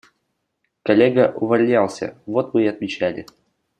Коллега увольнялся, вот мы и отмечали.